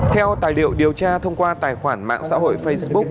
theo tài liệu điều tra thông qua tài khoản mạng xã hội facebook